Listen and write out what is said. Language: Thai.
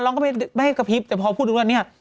แล้วก็ไม่ให้กะพิบแต่พอพูดดูกันเนี่ย